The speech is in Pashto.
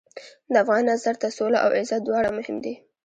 د افغان نظر ته سوله او عزت دواړه مهم دي.